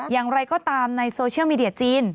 อย่างไรก็ตามในโซเชียลมีเดียจีน